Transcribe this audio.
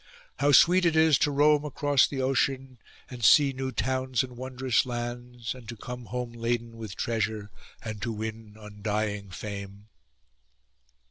How sweet it is to roam across the ocean, and see new towns and wondrous lands, and to come home laden with treasure, and to win undying fame!